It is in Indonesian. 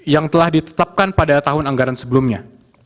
yang telah ditetapkan pada tahun anggaran sebelumnya